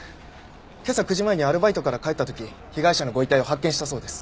今朝９時前にアルバイトから帰った時被害者のご遺体を発見したそうです。